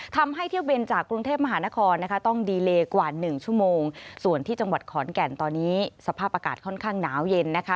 ทำให้เที่ยวบินจากกรุงเทพมหานครนะคะต้องดีเลกว่าหนึ่งชั่วโมงส่วนที่จังหวัดขอนแก่นตอนนี้สภาพอากาศค่อนข้างหนาวเย็นนะคะ